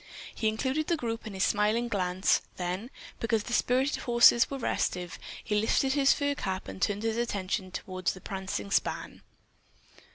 He included the group in his smiling glance, then, because the spirited horses were restive, he lifted his fur cap and turned his attention toward the prancing span.